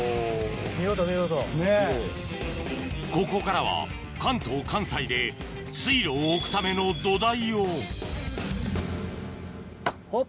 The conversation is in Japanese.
ここからは関東・関西で水路を置くための土台をホッ！